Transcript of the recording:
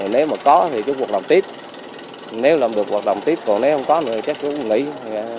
nếu mà có thì chú cuộc đồng tiếp nếu làm được cuộc đồng tiếp còn nếu không có thì chú cũng nghỉ